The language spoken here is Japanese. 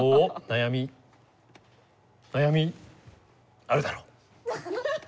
悩みあるだろ？